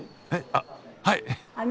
あっはい！